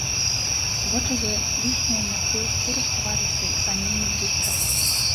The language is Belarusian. Вочы за лішнюю, мяккую скуру схаваліся й ані не блішчаць.